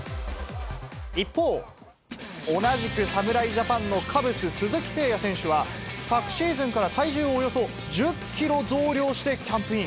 一方、同じく侍ジャパンのカブス、鈴木誠也選手は、昨シーズンから体重をおよそ１０キロ増量してキャンプイン。